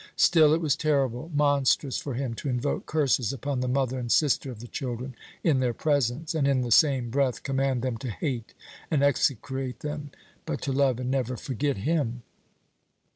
Still, it was terrible, monstrous for him to invoke curses upon the mother and sister of the children, in their presence, and in the same breath command them to hate and execrate them, but to love and never forget him.